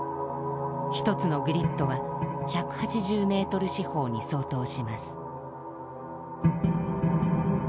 １つのグリッドは１８０ｍ四方に相当します。